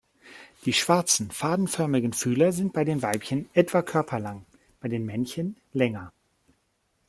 Die schwarzen, fadenförmigen Fühler sind bei den Weibchen etwa körperlang, bei den Männchen länger.